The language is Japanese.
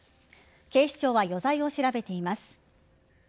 警視庁は余罪を調べています。